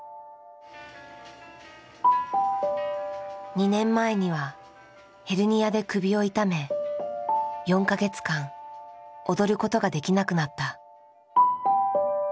２年前にはヘルニアで首を痛め４か月間踊ることができなくなった。